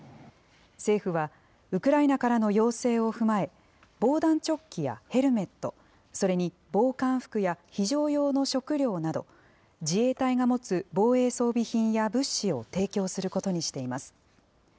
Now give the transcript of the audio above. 政府は、ウクライナからの要請を踏まえ、防弾チョッキやヘルメット、それに防寒服や非常用の食料など、自衛隊が持つ防衛装備品や、物資を提供することにしています。